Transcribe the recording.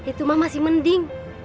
itu ma masih mending